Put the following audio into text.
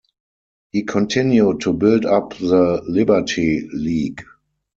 He continued to build up the Liberty League.